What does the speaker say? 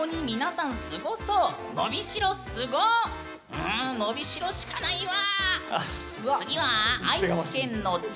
うんのびしろしかないわ！